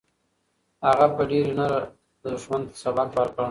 هغه په ډېرې نره دښمن ته سبق ورکړ.